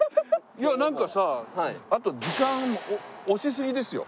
いやなんかさあと時間押しすぎですよ。